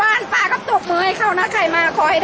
อาหรับเชี่ยวจามันไม่มีควรหยุด